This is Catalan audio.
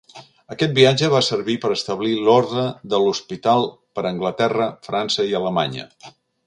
Aquest viatge va servir per establir l'orde de l'Hospital per Anglaterra, França i Alemanya.